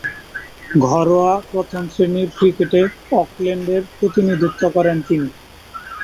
ঘরোয়া প্রথম-শ্রেণীর ক্রিকেটে অকল্যান্ডের প্রতিনিধিত্ব করেন তিনি।